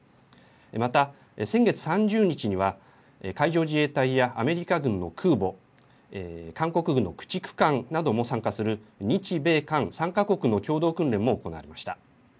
また先月３０日には海上自衛隊やアメリカ軍の空母、韓国軍の駆逐艦なども参加する日米韓３か国の共同訓練も行われました。